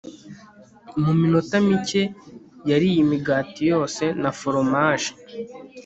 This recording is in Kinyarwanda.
mu minota mike, yariye imigati yose na foromaje